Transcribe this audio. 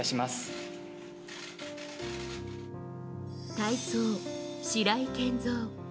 体操、白井健三。